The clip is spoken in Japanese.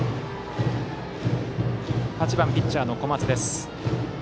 ８番ピッチャーの小松。